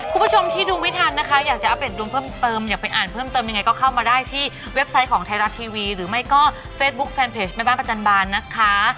คุณผู้ชมที่ดูไม่ทันนะคะอยากจะอัปเดตดวงเพิ่มเติมอยากไปอ่านเพิ่มเติมยังไงก็เข้ามาได้ที่เว็บไซต์ของไทยรัฐทีวีหรือไม่ก็เฟซบุ๊คแฟนเพจแม่บ้านประจันบาลนะคะ